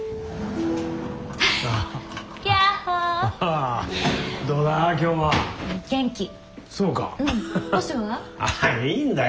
ああいいんだよ